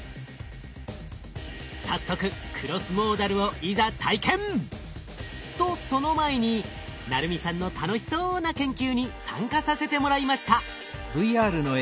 早速クロスモーダルをいざ体験！とその前に鳴海さんの楽しそうな研究に参加させてもらいました。